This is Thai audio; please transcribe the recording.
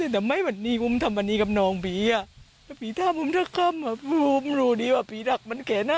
ถ้าอุ้มในแหล่ภีร์อุ้มรู้ใช่ไหม